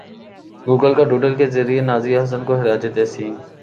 Google کا doodle کے ذریعے نازیہ حسن کو خراج تحسین